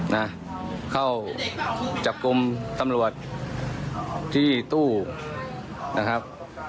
นะเข้าจับกลุ่มตำรวจที่ตู้นะครับ